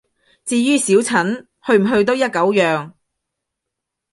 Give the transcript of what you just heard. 至於小陳，去唔去都一狗樣